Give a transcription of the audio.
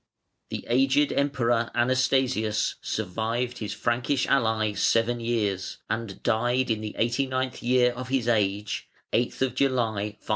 The aged Emperor Anastasius survived his Frankish ally seven years, and died in the eighty ninth year of his age, 8th July, 518.